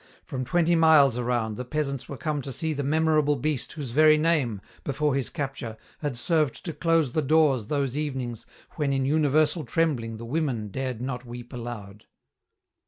From twenty miles around the peasants were come to see the memorable beast whose very name, before his capture, had served to close the doors those evenings when in universal trembling the women dared not weep aloud.